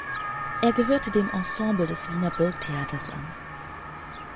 Er gehört dem Ensemble des Wiener Burgtheaters an.